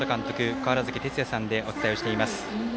川原崎哲也さんでお伝えをしています。